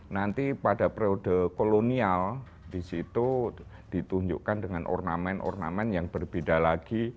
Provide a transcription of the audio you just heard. nanti pada periode kolonial di situ ditunjukkan dengan ornamen ornamen yang berbeda lagi